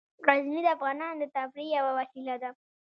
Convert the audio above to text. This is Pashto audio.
غزني د افغانانو د تفریح یوه وسیله ده.